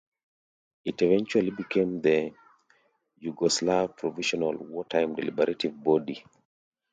It eventually became the Yugoslav provisional wartime deliberative body.